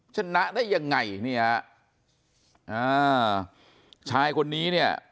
ชนะได้ยังไงเนี่ยอ่าชายคนนี้เนี่ย